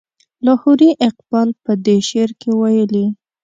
لاهوري اقبال په دې شعر کې ویلي.